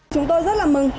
chúng tôi rất là mừng